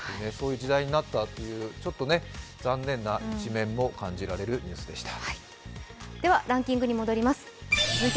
そういう時代になったというちょっと残念な一面も感じられるニュースになりました。